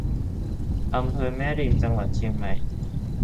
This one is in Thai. อำเภอแม่ริม จังหวัดเชียงใหม่